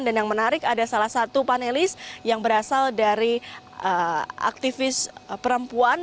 dan yang menarik ada salah satu panelis yang berasal dari aktivis perempuan